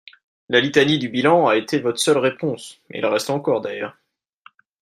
La litanie du bilan a été votre seule réponse et le reste encore, d’ailleurs.